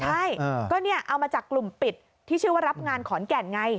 ใช่ก็เนี่ยเอามาจากกลุ่มปิดที่ชื่อว่ารับงานขอนแก่นไง